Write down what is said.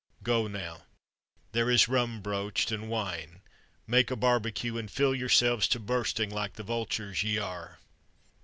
Go now; there is rum broached, and wine; make a barbecue, and fill yourselves to bursting like the vultures ye are!"